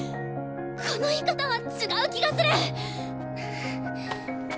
この言い方は違う気がするっ！